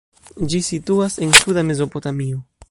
Ĝi situas en suda Mezopotamio.